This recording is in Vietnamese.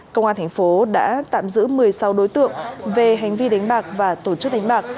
công an thành phố đã tạm giữ một mươi sáu đối tượng về hành vi đánh bạc và tổ chức đánh bạc